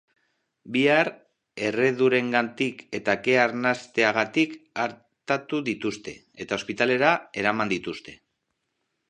Biak erredurengatik eta kea arnasteagatik artatu dituzte, eta ospitalera eraman dituzte.